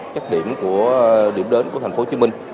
chắc điểm của điểm đến của thành phố hồ chí minh